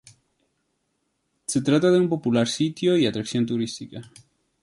Se trata de un popular sitio y atracción turística.